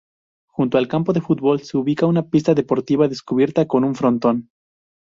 Junto al campo de fútbol se ubica una pista deportiva descubierta con un frontón.